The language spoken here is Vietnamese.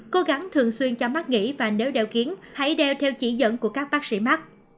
cố gắng thường xuyên cho mắt nghỉ và nếu đeo kính hãy đeo theo chỉ dẫn của các bác sĩ mắc